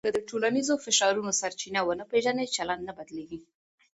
که د ټولنیزو فشارونو سرچینه ونه پېژنې، چلند نه بدلېږي.